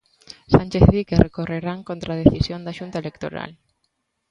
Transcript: Sánchez di que recorrerán contra a decisión da Xunta Electoral.